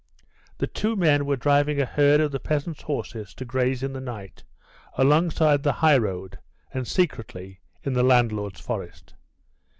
The two men were driving a herd of the peasants' horses to graze in the night, alongside the highroad and secretly, in the landlord's forest.